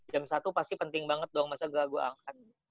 jam satu pasti penting banget dong masa gak gue angkat